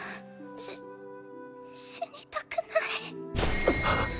し死にたくない。ッ！！